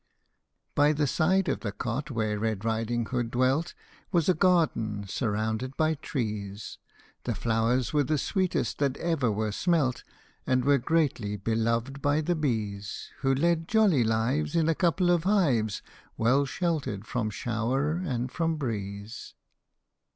By the side of the cot where Red Riding Hood dwelt Was a garden, surrounded by trees ; The flowers were the sweetest that ever were smelt, And were greatly beloved by the bees, Who led jolly lives In a couple of hives Well sheltered from shower and from breeze.